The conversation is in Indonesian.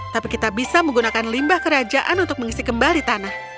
tapi kita bisa menggunakan limbah kerajaan untuk mengisi kembali tanah